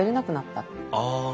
ああ。